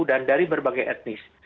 dan dari berbagai etnis